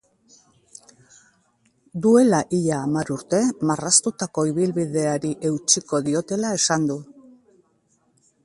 Duela ia hamar urte marraztutako ibilbideari eutsiko diotela esan du.